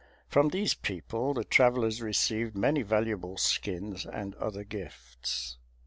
From these people the travellers received many valuable skins, and other gifts.